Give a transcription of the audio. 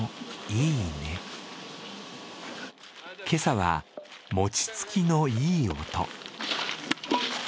今朝は、餅つきのいい音。